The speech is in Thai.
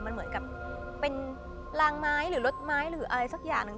มันเหมือนกับเป็นลางไม้หรือรถไม้หรืออะไรสักอย่างหนึ่ง